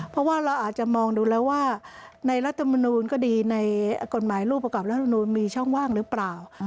เพราะว่าเราอาจจะมองดูแล้วว่าในรัฐมนูลก็ดีในกฎหมายรูปประกอบรัฐมนูลมีช่องว่างหรือเปล่า